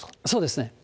そうですね。